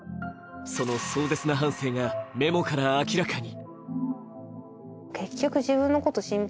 その壮絶な半生がメモから明らかに。